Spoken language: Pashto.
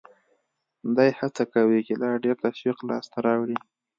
دی هڅه کوي چې لا ډېر تشویق لاس ته راوړي